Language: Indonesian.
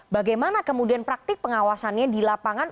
bagaimana kemudian praktik pengawasannya di lapangan